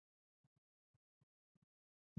红尾翎为禾本科马唐属下的一个种。